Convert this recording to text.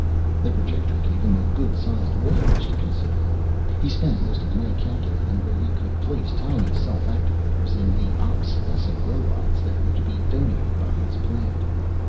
The projector gave him a good sized wall image to consider. He spent most of the night calculating where he could place tiny self activators in the "obsolescent" robots that were to be donated by his plant.